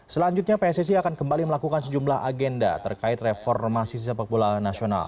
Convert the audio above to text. selanjutnya pssi akan kembali melakukan sejumlah agenda terkait reformasi sepak bola nasional